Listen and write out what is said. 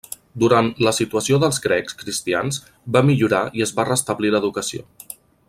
Durant el la situació dels grecs cristians va millorar i es va restablir l'educació.